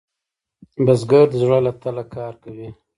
بزګر د زړۀ له تله کار کوي